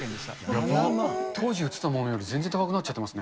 当時売ってたときより、全然高くなっちゃってますね。